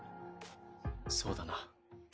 そうだな。